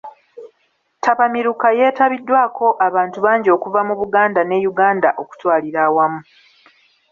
Ttabakamiruka yeetabiddwako abantu bangi okuva mu Buganda ne Uganda okutwalira awamu.